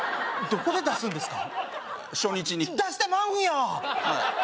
どこで出すんですか？